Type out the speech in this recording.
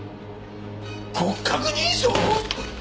骨格認証！？